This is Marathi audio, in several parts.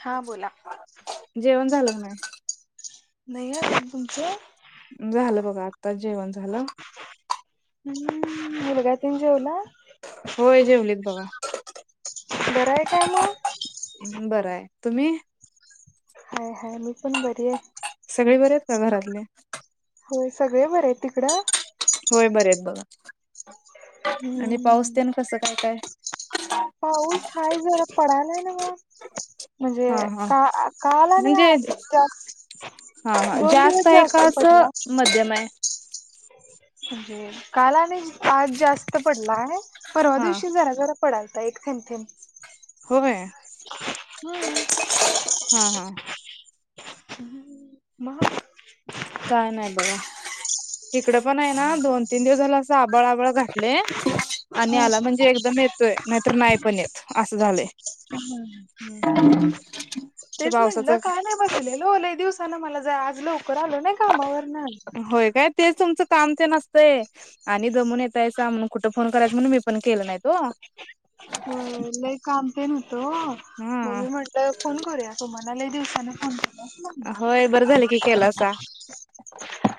हा बोला जेवण झालं क नाही नाही अजुन तुमच झालं बघा आत्ता जेवण झालं हम्म मुलगा तेन जेऊला होय जेवलेत बघा बरंय काय मग बरं आहे. तुम्ही हो हो मी पण बरी आहे सगळे बरे आहेत का घरातले होय सगळे बर आहेत तिकडं होय बरेेत बघा आणि पाऊस हम्म त्यान कसं काय काय पाऊस हाय जरा पडलाय नव्ह म्हणजे हा हा का काल आणि म्हणजे आज जास्त हा हा दोन दिवस आहे जास्त का पडला असं मध्यम आहे? काल आणि आज जास्त पडला आहे परवा हा दिवशी जरा जरा पडाल एक थेंब थेंब हो हम्म हा हा. [unintelligible] काय नाही बगा इकड पण आहे ना दोन तीन दिवस झालं असं आबळा आबळ घातले आणि आला म्हणजे एकदम येतोय, नाहीतर नाही पण येत असं झालंय. ते तेच म्हटलं पावसाचं काय नाही बसलेलं बलाय दिवसान मला आज लवकर आलो नाही कामावर होय काय तेच तुमचं काम तेन असतय आणि दमून येतायसा म्हणून कुठं फोन करायच म्हणून मी पण केलं नाही ओ. हो लई काम तेन न व्हतं ओ, मग हा मी म्हटलं फोन करूया तम्हाला म दिवसांनी फो होय बरं झालं की केलासा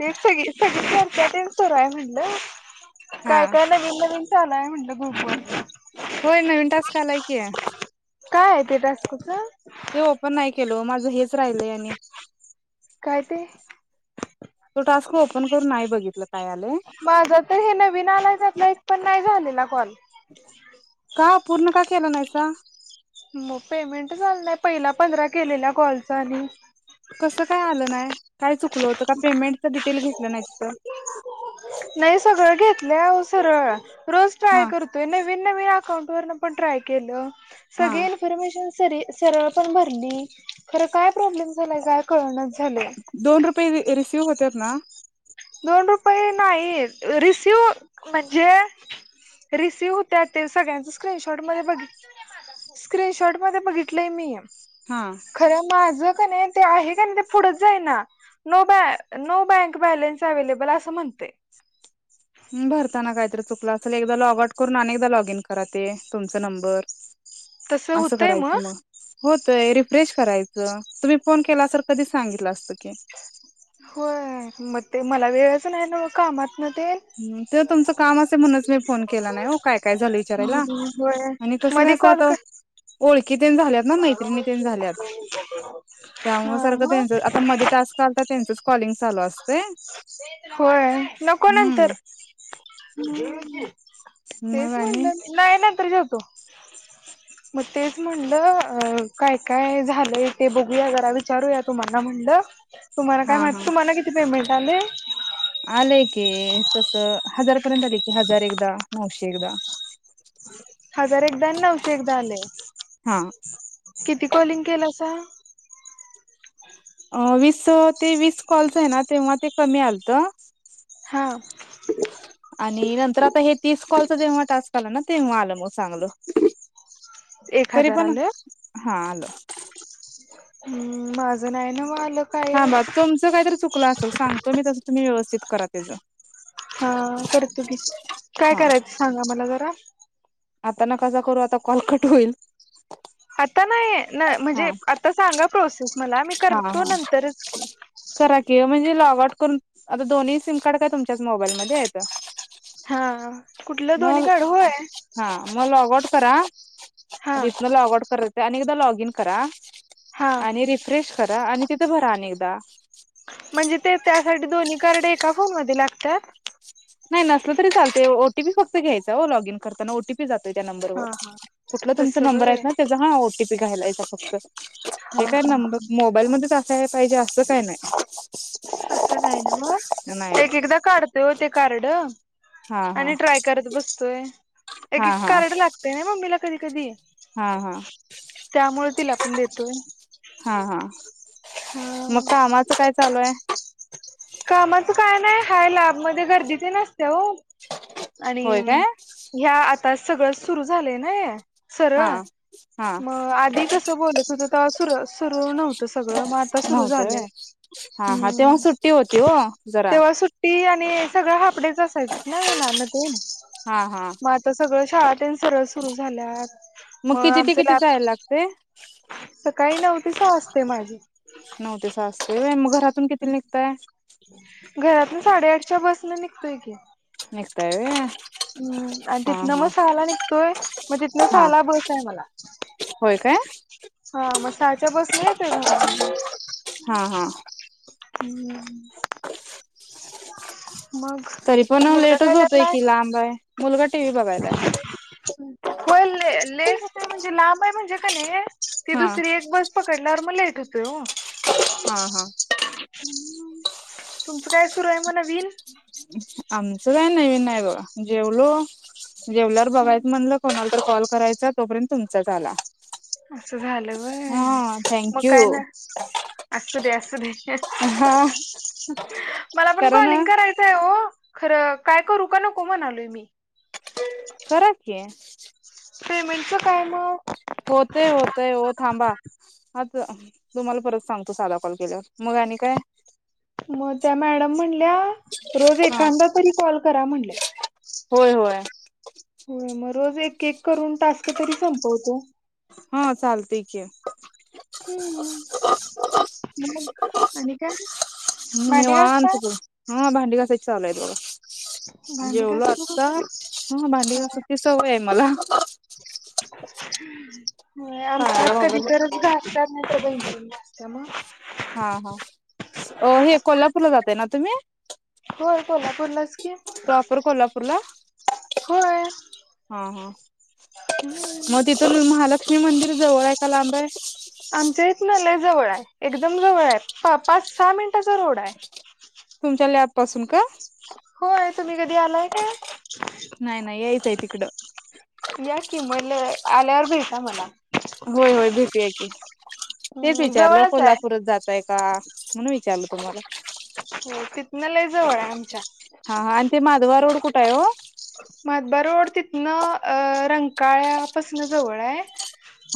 तेच सगी सग सुरय म्हणलं हा काय काय नवीन नवीन चालाय म्हणलं गु होय नवीन टास्क आलाय की आहे काय आहे ते टास्कचं ते ओपन नाही केल माझं हेच राहिलय आणि काय ते? तो टास्क ओपन करून नाही बघितलं काय आलंय माझं तर हे नवीन आलायच आप पण नाही झालेला कॉल का पूर्ण का केला नाहीसा? मग पेमेंट झालं नाही पहिला पंधरा केलेल्या कॉलचा आणि कसं काय आलं नाही, काय चुकलं होतं? का पेमेंटच डिटेल घेतलं नाही तिथं? नाही सगळं घेतलंह सरळ रोज ट्राय हा करतोय. मी नवीन अकाऊंट वरण पण ट्राय केलं हा सगळे इन्फॉर्मेशन सरळ पण भरली खर काय प्रॉब्लेम झाला काय क दोन रुपये रिसिव्ह होते ना? दोन रुपये नाही रिसिव म्हणजे रिसीव होत ते सगळ्यांच स्क्रीनशॉट मध्ये बघ स्क्रीनशॉट मध्ये बघितलंय मी हा खर माझ ते आहे कनी ते पुढचं जाईना, नो बॅ नो बँक बॅलन्स अवैलाबल अस म्हणतय भरताना काहीतरी चुकलं असल एकदा लॉगट करून अनेकदा लॉग इन कराात तुमचा नंबर तसं असं होतंय करायचं मग होतय रिफ्रेश करायचं. तुम्ही फोन केला सर कधी सांगितलं असतं. की होय मग ते मला वेळचं नाही ना कामात न ते तुमच काम असेल म्हणून मी फोन केला नाही काय काय झालं विचारायला. होय कस काय मधी कॉल आता कर ओ [inaudible] की झाल्यात ना मैत्रिणी झाल्यात त्यामुळे हा सारखं त्यांच मग आता मध्ये टास्क आलता त्यांच होय नको हम्म नंतर तेच मग आणि म्हणलं नाही नंतर जेवतो. मग तेच म्हणलं काय काय झाले ते बघूया जरा विचारूया तुम्हाला ड तुम्हाला काय हा मा हा तुम्हाला किती पेमेंट आले. आलंय की तस हजारपर्यंत आलेय की हजार एकदा नऊशे एकदा ह हजार एकदा आणि नऊशे एकदा आले. हा किती कॉलिंग केलं अ वीस ते वीस कॉल्स आहे ना तेव्हा ते कमी आलत हा आणि नंतर आता हे तीस कॉलच जेव्हा टास्क आला ना, तेव्हा आलं मग चांगलं. एक तरी हजार पण, आलं हा आल. हम्म माझं नाय ना व आलो. थांबा तूमचं काहीतरी चुकलं असेल, सांगतो मी तसं तुम्ही व्यवस्थित करा त्याच. हा करतु की, काय हा करायचं सांगा मला जरा? आता नकासा करू आता कॉल कट होईल. आता नाही हा म्हणजे आता सांगा प्रोसेस. मला मी हा हा करतो नंतरच कि लॉगट करून, आता दोन्ही सिम कार्ड काय तुमच्याच मोबाईलमध्ये आहेत. हा कुठलं दोन्ही मग, कार्ड होय हा मग लॉग आउट करा. हा तिथन लॉगउट करायचं आणि एकदा लॉग इन करा हा आणि [unintelligible] खरा आणि तिथं भरा आणि एकदा. म्हणजे ते त्यासाठी दोन्ही कार्ड एका फोन मध्ये लागतात? नाही नसलं तरी चालते, ओटीपी फक्त घ्यायचं हो लॉग इन करताना ओटीपी जातोय त्या नंबर वर, हा हा कुठला तुमच तस नंबर व्हय आहेत ना त्याचा हा ओटीपी घालायचा फक्त. हे हा काय ना हा मग, मोबाईल मध्येच असा हे पाहिजे असं काही नाही. असं नाही ना मग नाही एक एकदा काढतोय ते कार्ड. हा हा आणि ट्राय करत बसतोय, एक हा एक हा कार्ड लागतेय ना मम्मीला कधी कधी. हा हा त्यामुळे तिला पण देतो. हा हा हा मग कामाच काय चालू आहे? कामाच काय नाही, हाय लॅबमध्ये गर्दीते तेव आणि होय काय ह्या आता सगळं सुरू झालंय ना हे सरळ हा. हा मग आधी कसं बोलत होत, तवा सुरू नव्हतं सगळं मग आता सुरू नव्हतं झालय. होय हा हा हम्म तेव्हा सुट्टी होती हो जरा तेव्हा सुट्टी आणि सगळं हाप डेच असायच नाही उन्हान ते हा हा मग आता सगळं शाळा सुरु झाल्यात, मग आमचे जाय लागते सकाळी नऊ ते सहा असते माझी. नऊ ते सहा असते होय, मग घरातून कितीला निघतय? घरातून साडेआठच्या बसन निघतोय की. निघताय होय? हम्म आणि तिथनं मग हा सहाला निघतोय मग तिथनं हा सहाला बसय हाय मला. होय काय? हा मग सहाच्या बसने येतोय घरला. हा हा हम्म. मग तरी पण मुलगा काय लेटच होतय करलाय? की लांब आहे मुलगा टीव्ही कोलेट बघायलाय [unintelligible] ते म्हणजे लांब आहे म्हणजे का नाही, ती हा दुसरी एक बस पकडल्यावर मग लेट होतंय हॊ. हा हा. तुमचं काय सुरू आहे मग नवीन? अस काय नवीन नाही बघा, जेवलो जेवल्यावर बघायच म्हणलं कोणाला? कॉल करायचा तोपर्यंत तुमचाच आला. असं झालं वय हा मग थँक्यू काय ना. अससू दे अससू दे. हा मला पण कारण कॉलिंग करायचंय हो खरं काय करू का नको म्हणालोय मी? कराकी. पेमेंटच काय मम? होतय होतय हो थांबा. तुम्हाला परत सांगतो साधा कॉल केलावर, मग आणि काय? म त्या मॅडम म्हणल्या रोज हा एखांदा तरी कॉल करा म्हणल्या. होय होय. हो म रोज एक एक करून टास्क तरी संपवतो. हा चालतय की, [inaudible] हम्म मग आणि काय? ह भांडी घासता? निवांत तू हा भांडी घासायची. चालु आहेत बघा. भांडी जेवल घासत नाही असता का? हा भांडी घासत ती सवय ये मला व्हय हा आमच्यात कधी मोबाईल तरच घासतात नाहीतर बहीण [inaudible] त्यामुळे हा हा कोल्हापूरला हे जाताय ना तुम्ही होय बोला बोलास की, प्रॉपर कोल्हापूरला होय. हा हा हम्म. मग तिथ महालक्ष्मी मंदिर जवळ हाय का लांब हाय आमच्या इथनं लय जवळ आहे. एकदम जवळ आहे. पाच सहा मिनिटाचा रोड हाय. तुमच्या लॅब पासून का? होय तुम्ही कधी आलाय काय? नाही नाही यायचंय तिकडं या की लय आल्यावर भेटा मला. होय होय भेटूया की तेच हम्म विचारलं जवळच आहे. कोल्हापूरात जातय का? म्हणून विच चारल तुम्हाला होय तिथनं लय जवळ आहे आमच्या. हा आणि ते माधबा रोड कुठ आहे ओ? माधबा रोड तिथन रंकाळ्यापासन जवळ ये.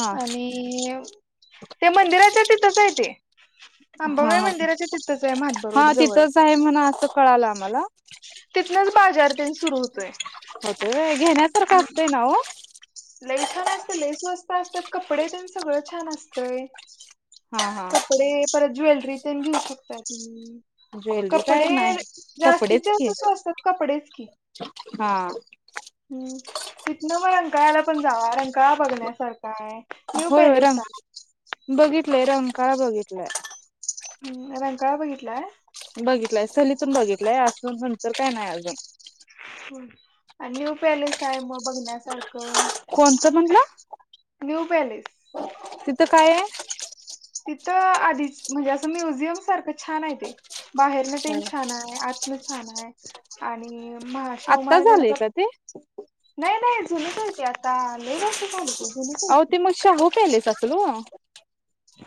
हा आणि ते मंदिराच्या तिथंच आहे ते- हा अंबाबाई हा मंदिराच्या तिथंच आहे मातबा रोड हा जवळचं. तिथंच आहे म्हणा असं कळालं आम्हाला तिथनच बाजारतेन सुरू हो होतय होय घेण्यासारखं असतय ना ओ. लई छान असत. लई स्वस्त असतात. कपडे तेन सगळं छान असतय. हा हा कपडे परत ज्वेलरी तेनं घेऊ शकताय तुम्ही. ज्वेलरी काय कपडे नाही जास्ती कपडेच जास्त की स्वस्तात कपडेच की, हा हम्म तिथन मंग रंकाळयाला पण जावा. रं काळा बघण्यासारखा आहे न्यू होय होय पॅलेस रंग जा. नाय. हं रंकाळा बघितलाय. बघितलंय सलीतून बघितलंय असून नंतर काय नाय अजून. अनं न्यू पॅलेस हाय मग. बघण्यासारखं कोणतं म्हणला न्यू पॅलेस. तिथं काय ये? तिथं आधीच म्हणजे असं म्युझियम सारखं छान हाय ते. बाहेरन तेन आहे छान हाय आतनं छान हाय आणि महा. शाहू आत्ता झालंय महाराजांचाच का ते? नाई नाई जुनीच हाय ती आता लय वर्ष झाली. ते जुनच आहे आहो की ते मग शाहू पॅलेस असल हो.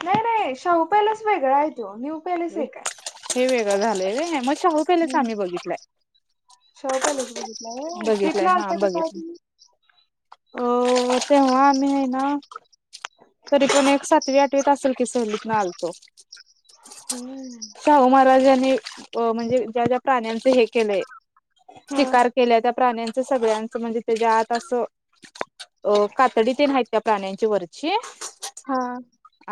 नाई नाई शाहू पॅलेस वेगळा हाय त्यो न्यू पॅलेस एक हाय. आता झालंय व्हय मं शाहू पॅलेस आम्ही बघितलाय. शाहू पॅलेस बघितलाय व्हय बघितलाय ट्रिपला आलता का काय तुम्ही? अं ते ह्या आमी हाय नां. तरी पण एक सातवी आठवीत असंल की सहलीतना आलतो. हम्म शाहू महाराजांन नी अं म्हणजे ज्या ज्या प्राण्यांचे हे केलंय हा शिकार केलंय त्या प्राण्यां अस सगळ्यांचं म्हणजे तेज्या आत असं. अ कातडी तेन हैत त्या प्राण्यांच्या वरची... हां.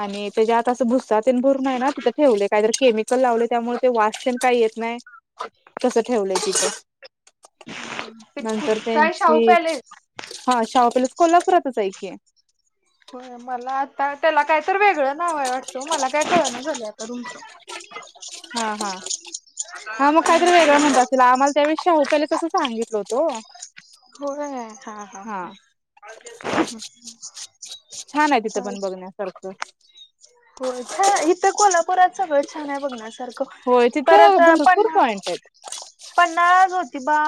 आणि तेज्या आत असं भुस्सा भरून हाय ना तिथं ठेवलंय काय तर... केमिकल लावलंय त्यामुळं ते वास तेन काय येत नाई कस ठेवलंय तिथं? ते नंतर काय शाहू त्यांची पॅलेस हा शाहू पॅलेस.... कोल्हापुरातच हाय की... होय मला आता... वाटतो मला काय कळंना झालंय आता रूमचं.... हा हा हा मग काहीतरी वेगळं म्हणत असेल आम्हाला त्या वेळी शाहू पॅलेस असं सांगितलं होतो ओ.... होय हां हां हा हां हां हां..... छान आहे तिथं पण चालतंय बघण्यासारखं होय इथं... इथं कोल्हापुरात सगळं छान हाय बघण्यासारखं... क होय तिथं परतं भरपूर पन्हाळा पॉइंट आहेत पन्हाळा जोतिबा...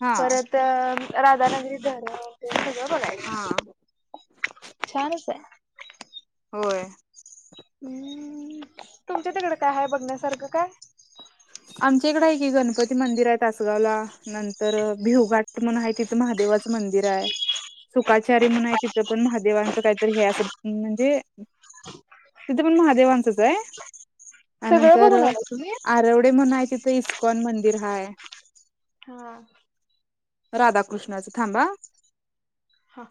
हां. अं राधानगरी धरण तेन सगळं हा बघायचं... छानच हाय.. होय. हम्म तुमच्या तिकडं काय हाय बघण्यासारखं काय? आमच्या इकड हाय की गणपती मंदिर हाय तासगावला नंतर भिवघाट म्हणून हाय तिथं महादेव... देवाचं मंदिर हाय. सुखाचारी म्हणून हाय तिथं पण महादेवांचं कायतरी हे असं म्हणजे... तिथं पण महादेवांचच हाय सगळं त्यानंतर बघून आला तुम्ही आरव... मी म्हणं हाय तिथं इस्कॉन मंदिर हाय. हां. राधाकृष्णाचं थांबा. हा.